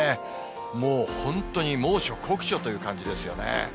もう本当に猛暑、酷暑という感じですよね。